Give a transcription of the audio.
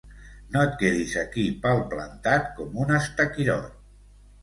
No et quedis aquí palplantat, com un estaquirot!